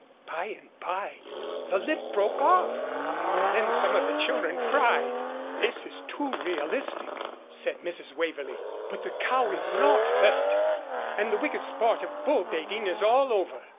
Bye and bye, the lip broke off, and then some of the children cried. "This is too realistic," said Mrs. Waverlee, "but the cow is not hurt, and the wicked sport of bull baiting is all over."